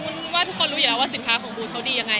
ว่าทุกคนรู้อยู่แล้วว่าสินค้าของบูธเขาดียังไง